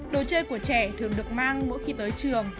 đồ chơi của trẻ thường được mang mỗi khi tới trường